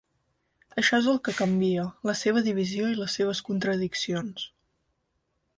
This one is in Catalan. Això és el que canvia, la seva divisió i les seves contradiccions.